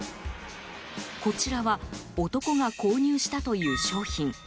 こちらは男が購入したという商品。